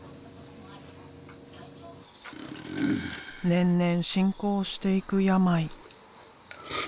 年々進行していく病。